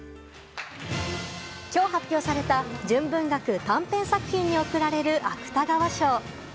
今日、発表された純文学短編作品に贈られる芥川賞。